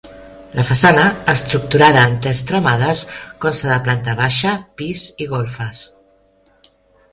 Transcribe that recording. La façana, estructurada en tres tramades, consta de planta baixa, pis i golfes.